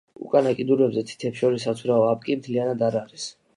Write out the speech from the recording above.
უკანა კიდურებზე თითებს შორის საცურაო აპკი მთლიანი არ არის.